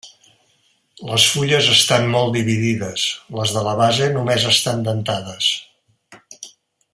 Les fulles estan molt dividides; les de la base només estan dentades.